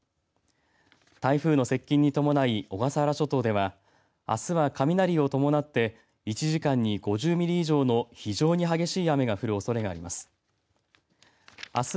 台風の接近に伴い小笠原諸島ではあすは雷を伴って１時間に５０ミリ以上の非常に激しい雨が降るおそれがあります。